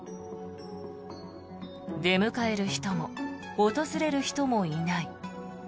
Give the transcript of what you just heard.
出迎える人も訪れる人もいない。